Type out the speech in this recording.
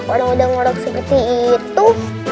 orang udah ngorok seperti itu